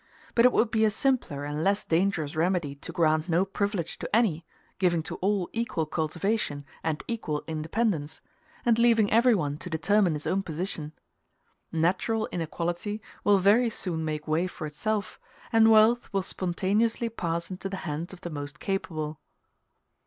But it would be a simpler and less dangerous remedy to grant no privilege to any, giving to all equal cultivation and equal independence, and leaving everyone to determine his own position. Natural inequality will very soon make way for itself, and wealth will spontaneously pass into the hands of the most capable.